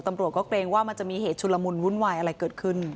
ตำรวจก็เกรงว่ามันจะมีเหตุชุลมุนวุ่นวายอะไรเกิดขึ้น